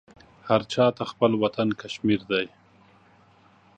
هر چاته خپل وطن کشمیر دی